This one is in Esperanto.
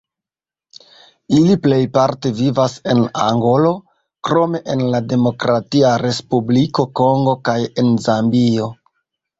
Ili plejparte vivas en Angolo, krome en la Demokratia Respubliko Kongo kaj en Zambio.